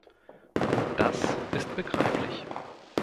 Und das ist begreiflich.